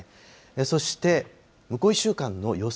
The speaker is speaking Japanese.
そして、向こう１週間の予想